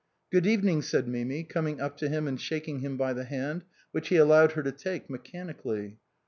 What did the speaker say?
" Good evening," said Mimi, coming up to him and shaking him by the hand which he allowed her to take mechanically.